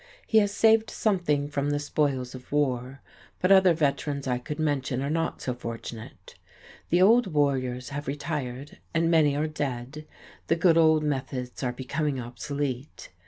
He has saved something from the spoils of war, but other veterans I could mention are not so fortunate. The old warriors have retired, and many are dead; the good old methods are becoming obsolete.